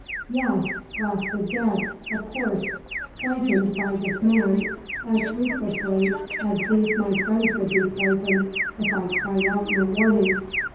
Yes; Glass was dead, of course, poisoned by this man as ruthlessly as these my friends would be poisoned if I cried out no warning.